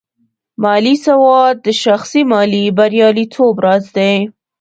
مالي سواد د شخصي مالي بریالیتوب راز دی.